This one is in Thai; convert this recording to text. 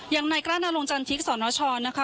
อย่างในกระดาษนาลงจันทริกส์สชนะคะ